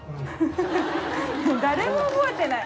フフフ誰も覚えてない。